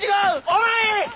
おい！